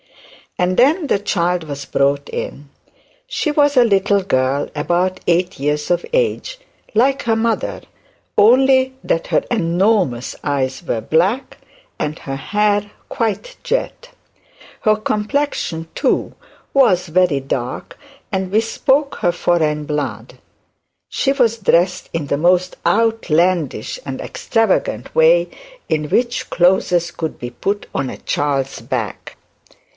And then the child was brought in. She was a little girl, about eight years of age, like her mother, only that her enormous eyes were black, and her hair quite jet. Her complexion too was very dark, and bespoke her foreign blood. She was dressed in the most outlandish and extravagant way in which clothes could be put on a child's back.